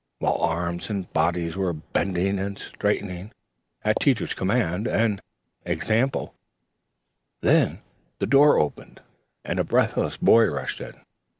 While arms and bodies were bending and straightening at Teacher's command and example, the door opened and a breathless boy rushed in.